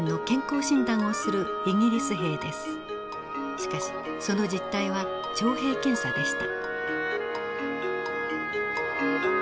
しかしその実態は徴兵検査でした。